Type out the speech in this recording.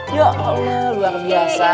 ya allah luar biasa